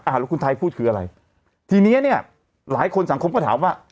แล้วคุณไทยพูดคืออะไรทีเนี้ยหลายคนสังคมก็ถามว่า